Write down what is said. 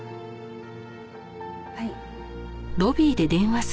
はい。